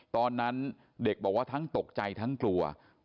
ตอนนั้นเด็กบอกว่าทั้งตกใจทั้งกลัว